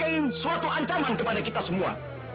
yang memberikan suatu ancaman kepada kita semua